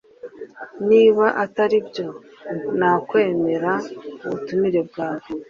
niba ataribyo, nakwemera ubutumire bwawe